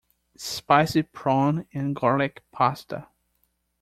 Spicy prawn and garlic pasta.